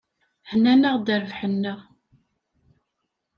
Hennan-aɣ-d rrbeḥ-nneɣ.